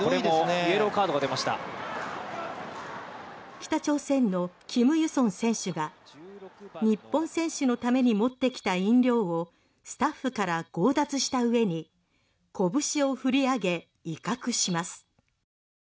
北朝鮮のキム・ユソン選手が日本選手のために持ってきた飲料をスタッフから強奪した上に拳を振り上げ、威嚇します。